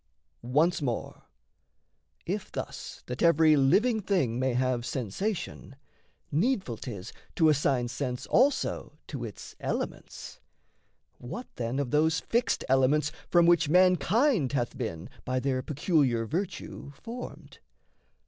Once more, if thus, that every living thing May have sensation, needful 'tis to assign Sense also to its elements, what then Of those fixed elements from which mankind Hath been, by their peculiar virtue, formed?